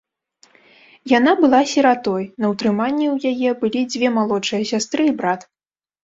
Яна была сіратой, на ўтрыманні ў яе былі дзве малодшыя сястры і брат.